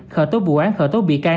khởi tố vụ án khởi tố bị can